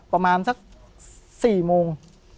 ประมาณสัก๔โมง